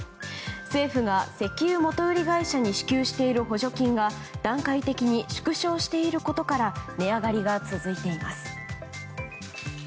政府が、石油元売り会社に支給している補助金が段階的に縮小していることから値上がりが続いています。